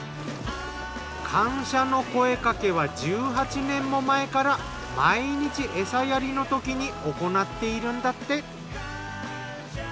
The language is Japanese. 感謝の声かけは１８年も前から毎日餌やりのときに行っているんだって。